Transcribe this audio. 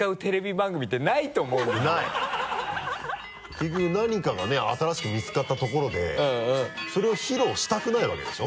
結局何かがね新しく見つかったところでそれを披露したくないわけでしょ？